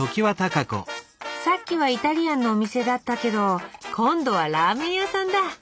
さっきはイタリアンのお店だったけど今度はラーメン屋さんだ。